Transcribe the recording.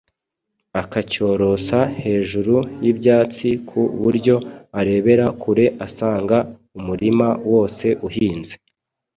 akacyorosa hejuru y'ibyatsi ku buryo urebera kure asanga umurima wose uhinze.